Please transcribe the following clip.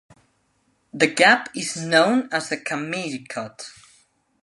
The gap is known as the Camille Cut.